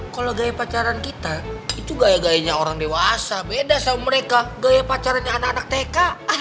kalau gaya pacaran kita itu gaya gayanya orang dewasa beda sama mereka gaya pacarannya anak anak tk